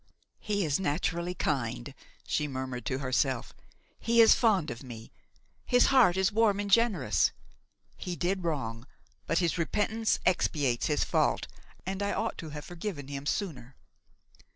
"He is naturally kind," she murmured to herself; "he is fond of me; his heart is warm and generous. He did wrong, but his repentance expiates his fault, and I ought to have forgiven him sooner."